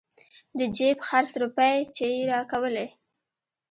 د جيب خرڅ روپۍ چې يې راکولې.